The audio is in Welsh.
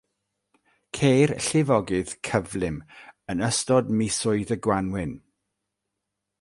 Ceir llifogydd cyflym yn ystod misoedd y gwanwyn.